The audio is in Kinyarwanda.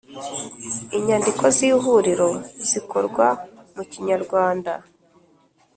Inyandiko z Ihuriro zikorwa mu kinyarwanda